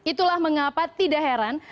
itulah mengapa tidak heran